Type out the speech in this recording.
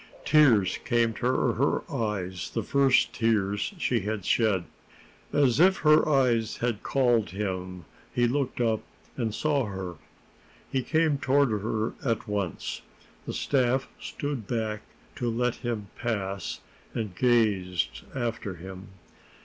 Tears came to her eyes the first tears she had shed. As if her eyes had called him, he looked up and saw her. He came toward her at once. The staff stood back to let him pass, and gazed after him.